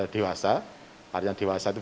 dewasa karena yang dewasa itu